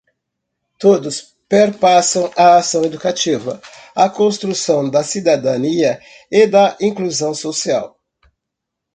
Todos perpassam a ação educativa, a construção da cidadania e da inclusão social